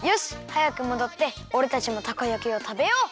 はやくもどっておれたちもたこ焼きをたべよう！